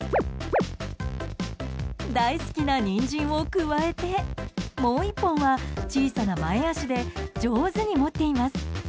大好きなニンジンをくわえてもう１本は小さな前脚で上手に持っています。